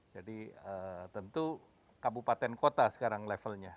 jadi tentu kabupaten kota sekarang levelnya